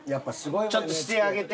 ちょっとしてあげて。